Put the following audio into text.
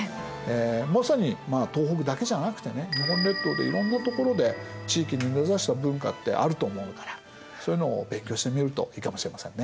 まさに東北だけじゃなくてね日本列島でいろんな所で地域に根ざした文化ってあると思うからそういうのを勉強してみるといいかもしれませんね。